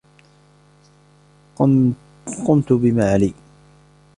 قمت بما عليّ.